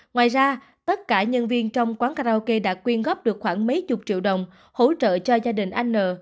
ngoài ra tất cả nhân viên trong quán karaoke đã quyên góp được khoảng mấy chục triệu đồng hỗ trợ cho gia đình anh n